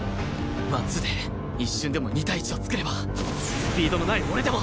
ワンツーで一瞬でも２対１を作ればスピードのない俺でも